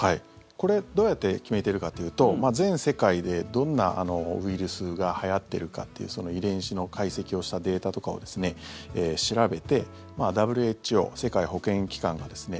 これ、どうやって決めてるかというと全世界でどんなウイルスがはやってるかっていうその遺伝子の解析をしたデータとかをですね、調べてＷＨＯ・世界保健機関がですね